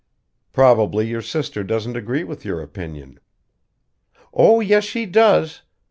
"Probably your sister doesn't agree with your opinion." "Oh, yes, she does!